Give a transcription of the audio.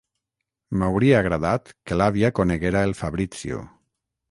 M'hauria agradat que l'àvia coneguera el Fabrizio.